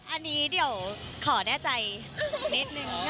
อันนี้เดี๋ยวขอแน่ใจนิดนึง